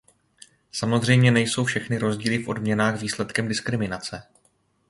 Samozřejmě nejsou všechny rozdíly v odměnách výsledkem diskriminace.